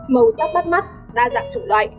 màu sắc bắt mắt đa dạng trụ đoại